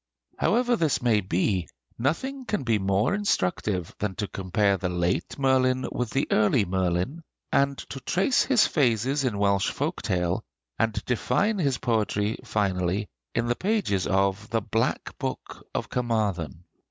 However this may be, nothing can be more instructive than to compare the late Merlin with the early Merlin, and to trace his phases in Welsh folk tale, and define his poetry finally in the pages of the 'Black Book of Carmarthen.'